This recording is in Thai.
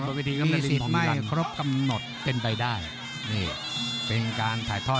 บริเวณวิทีย์มีสิทธิ์ไม่ครบกำหนดเต็นไปได้นี่เป็นการถ่ายทอด